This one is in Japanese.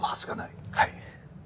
はい。